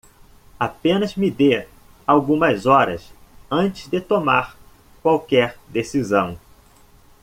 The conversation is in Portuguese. Apenas me dê algumas horas antes de tomar qualquer decisão.